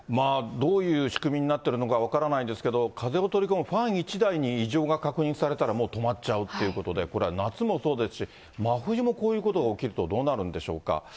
どういう仕組みになってるのか分からないですけど、風を取り込むファン１台に異常が確認されたらもう止まっちゃうってことで、これは夏もそうですし、真冬もこういうことが起きるとどうなるんでしょうか。